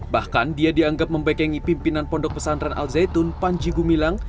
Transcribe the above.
bahkan dia dianggap membekengi pimpinan pondok pesantren al zaitun panji gumilang